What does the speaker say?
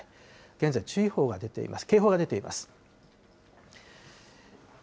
現在の注意報が出ています。